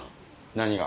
何が？